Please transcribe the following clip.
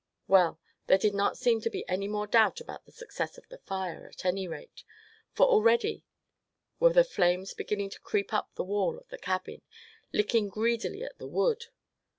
Well, there did not seem to be any more doubt about the success of the fire, at any rate; for already were the flames beginning to creep up the wall of the cabin, licking greedily at the wood.